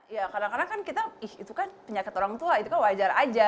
ya kadang kadang kan kita ih itu kan penyakit orang tua itu kan wajar aja